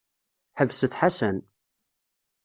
Ḥebset Ḥasan.